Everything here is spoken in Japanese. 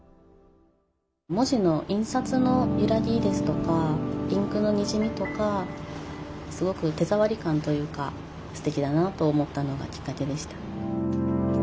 文字の印刷の揺らぎですとかインクのにじみとかすごく手触り感というかすてきだなと思ったのがきっかけでした。